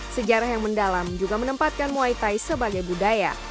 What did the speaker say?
sejarah yang mendalam juga menempatkan muay thai sebagai budaya